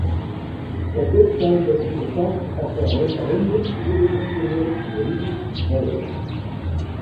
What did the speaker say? Op dit stuit wurdt ûndersocht oft in referindum oer dit ûnderwerp juridysk mooglik is.